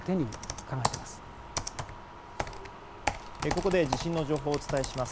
ここで地震の情報をお伝えします。